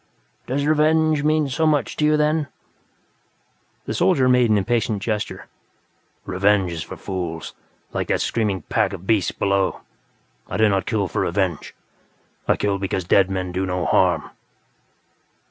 "Does revenge mean so much to you, then?" The soldier made an impatient gesture. "Revenge is for fools, like that pack of screaming beasts below. I do not kill for revenge; I kill because dead men do no harm."